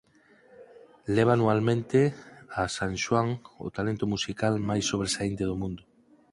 Leva anualmente a San Xoán o talento musical máis sobresaínte do mundo.